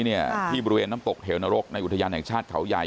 เนี่ยที่บริเวณน้ำตกเหวนรกในอุทยานแห่งชาติเขาใหญ่